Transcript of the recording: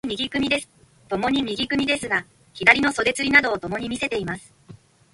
共に右組ですが、左の袖釣などをともに見せています。